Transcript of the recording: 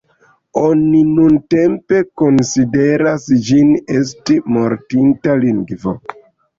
Oni nuntempe konsideras ĝin esti mortinta lingvo.